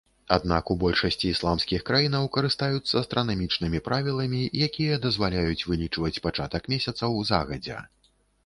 Аднак, у большасці ісламскіх краінаў карыстаюцца астранамічнымі правіламі, якія дазваляюць вылічваць пачатак месяцаў загадзя.